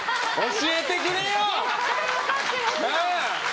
教えてくれよ！